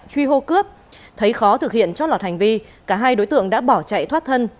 truy hô cướp thấy khó thực hiện trót lọt hành vi cả hai đối tượng đã bỏ chạy thoát thân